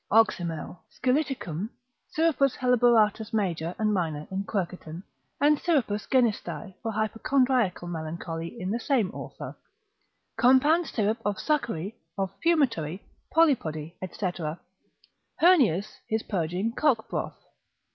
Oxymel. Scilliticum, Syrupus Helleboratus major and minor in Quercetan, and Syrupus Genistae for hypochondriacal melancholy in the same author, compound syrup of succory, of fumitory, polypody, &c. Heurnius his purging cock broth.